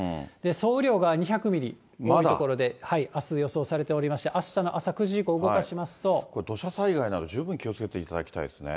総雨量が２００ミリ、多い所であす予想されておりまして、あしたこれ、土砂災害など十分気をつけていただきたいですね。